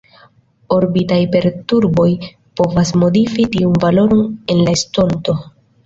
Orbitaj perturboj povas modifi tiun valoron en la estonto.